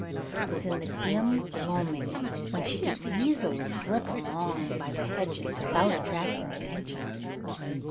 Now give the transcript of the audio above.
It was in the dim gloaming when she could easily slip along by the hedges without attracting attention.